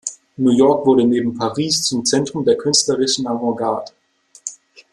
New York wurde neben Paris zum Zentrum der künstlerischen Avantgarde.